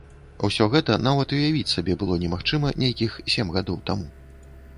Усё гэта нават уявіць сабе было немагчыма нейкіх сем гадоў таму.